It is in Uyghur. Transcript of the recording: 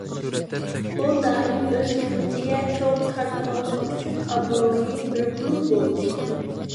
ئۇ دائىم ئۆز كۆمىچىگە چوغ تارتقانلىقى ئۈچۈن، ئابرۇيى بىر پۇل بولدى.